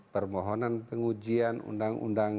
permohonan pengujian undang undang